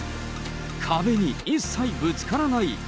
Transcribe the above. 壁に一切ぶつからない。